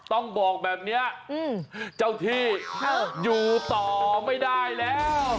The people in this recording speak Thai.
ต้องบอกแบบนี้เจ้าที่อยู่ต่อไม่ได้แล้ว